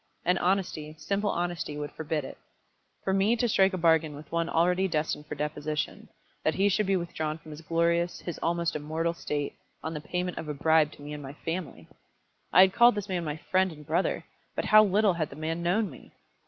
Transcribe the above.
And honesty, simple honesty, would forbid it. For me to strike a bargain with one already destined for deposition, that he should be withdrawn from his glorious, his almost immortal state, on the payment of a bribe to me and my family! I had called this man my friend and brother, but how little had the man known me!